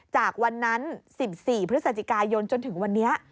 จากวันนั้น๑๔พฤศจิกายนจนถึงวันนี้